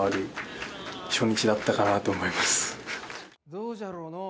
「どうじゃろうのう」